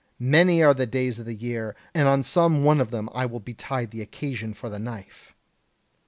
Many are the days of the year, and on some one of them will betide the occasion for the knife.'